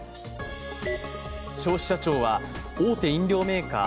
消費者庁は大手飲料メーカー